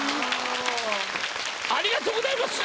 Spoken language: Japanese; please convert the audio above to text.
ありがとうございます。